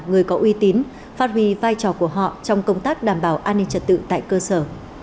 người có uy tín phát huy vai trò của họ trong công tác đảm bảo an ninh trật tự tại cơ sở